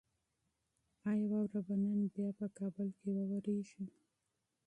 ایا واوره به نن بیا په کابل کې وورېږي؟